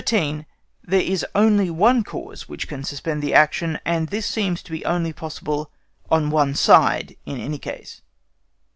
13. THERE IS ONLY ONE CAUSE WHICH CAN SUSPEND THE ACTION, AND THIS SEEMS TO BE ONLY POSSIBLE ON ONE SIDE IN ANY CASE.